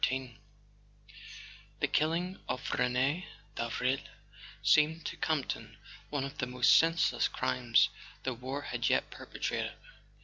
XIII HE killing of Rene Davril seemed to Campton one of the most senseless crimes the war had yet perpetrated.